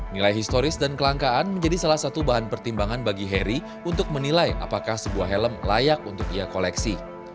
nilai historis dan kelangkaan menjadi salah satu bahan pertimbangan bagi heri untuk menilai apakah sebuah helm layak untuk ia koleksi